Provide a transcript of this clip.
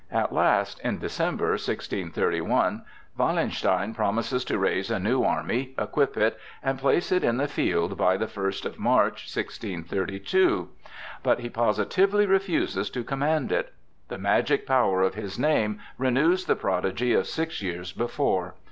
At last, in December, 1631, Wallenstein promises to raise a new army, equip it and place it in the field by the first of March, 1632; but he positively refuses to command it. The magic power of his name renews the prodigy of six years before.